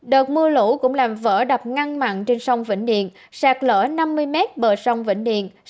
đợt mưa lũ cũng làm vỡ đập ngăn mặn trên sông vĩnh điện sạt lở năm mươi m bờ sông vĩnh điền